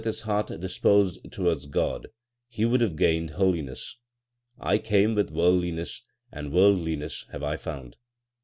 LIFE OF GURU NANAK 91 his heart disposed towards God, he would have gained holiness. I came with worldliness, and worldliness have I found.